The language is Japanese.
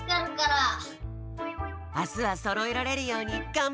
あすはそろえられるようにがんばって！